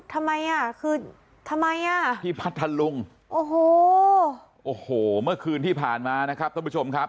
ทำไมอ่ะคือทำไมอ่ะที่พัทธลุงโอ้โหโอ้โหเมื่อคืนที่ผ่านมานะครับท่านผู้ชมครับ